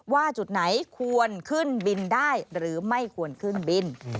ว่าจุดไหนควรขึ้นบินได้หรือไม่ควรขึ้นบิน